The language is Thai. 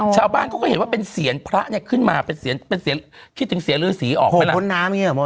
ชาวบ้านก็เห็นว่าเป็นเสียผล่านี่คิดถึงเสียฤษีออกไปละ